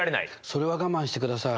それは我慢してください。